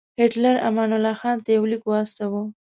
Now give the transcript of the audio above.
هیټلر امان الله خان ته یو لیک واستاوه.